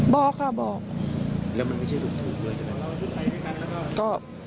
บอกค่ะบอก